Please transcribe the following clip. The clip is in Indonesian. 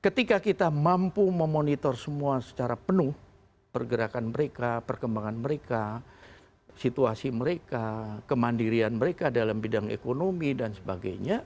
ketika kita mampu memonitor semua secara penuh pergerakan mereka perkembangan mereka situasi mereka kemandirian mereka dalam bidang ekonomi dan sebagainya